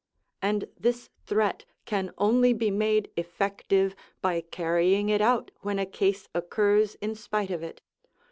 And this threat can only be made effective by carrying it out when a case occurs in spite of it.